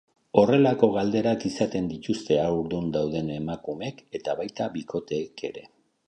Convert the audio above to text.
Horrelako galderak izaten dituzte haurdun dauden emakumeek eta baita bikoteek ere.